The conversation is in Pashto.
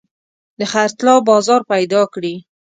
د خرڅلاو بازار پيدا کړي.